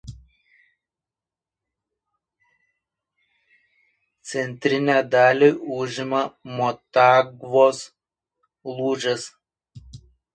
Centrinę dalį užima Motagvos lūžis.